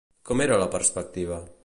Com era la perspectiva?